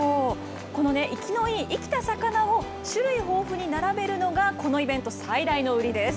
この生きのいい、生きた魚を種類豊富に並べるのが、このイベント最大の売りです。